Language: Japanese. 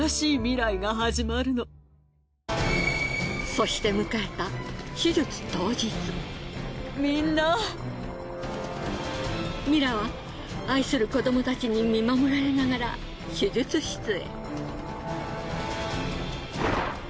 そして迎えたミラは愛する子どもたちに見守られながら手術室へ。